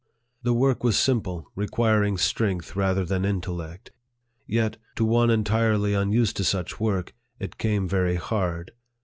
The work was simple, requiring strength rather than intel lect ; yet, to one entirely unused to such work, it came very hard.